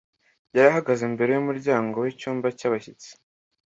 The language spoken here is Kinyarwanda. yari ahagaze imbere yumuryango wicyumba cyabashyitsi.